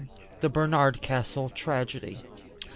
The Barnardcastle Tragedy.